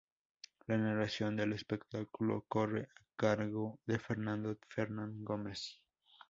La narración del espectáculo corre a cargo de Fernando Fernán Gómez.